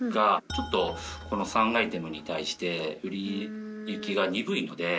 ちょっとこの３アイテムに対して売れ行きが鈍いので。